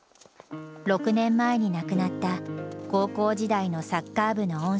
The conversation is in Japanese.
６年前に亡くなった高校時代のサッカー部の恩師